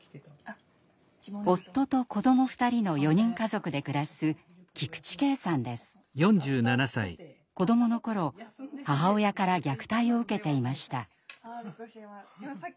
夫と子ども２人の４人家族で暮らす子どもの頃母親から虐待を受けていました。